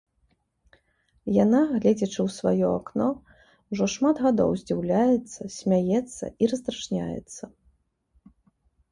Яна, гледзячы ў сваё акно, ужо шмат гадоў здзіўляецца, смяецца і раздражняецца.